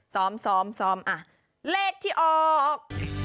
ซ้อมเลขที่ออก